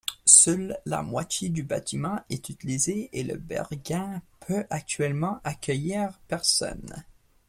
Seule la moitié du bâtiment est utilisée et le Berghain peut actuellement accueillir personnes.